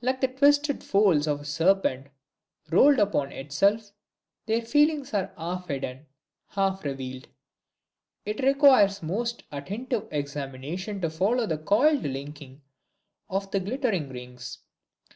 Like the twisted folds of a serpent rolled upon itself, their feelings are half hidden, half revealed. It requires a most attentive examination to follow the coiled linking of the glittering rings.